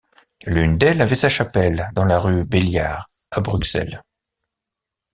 L’une d’elles avait sa chapelle dans la rue Belliard, à Bruxelles.